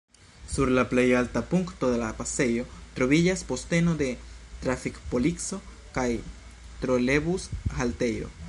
Sur la plej alta punkto de la pasejo troviĝas posteno de trafik-polico kaj trolebus-haltejo.